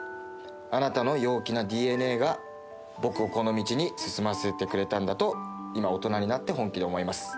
あなたの陽気なＤＮＡが僕をこの道に進ませてくれたんだと、今、大人になって本気で思います。